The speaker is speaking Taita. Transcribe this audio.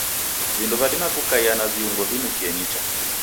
Vindo vadima kukaia na viungo vinukie nicha.